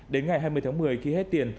đến ngày hai mươi tháng một mươi khi hết tiền